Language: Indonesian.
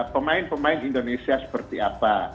pemain pemain indonesia seperti apa